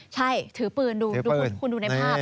ใช่ถือปืนดูคุณดูในภาพ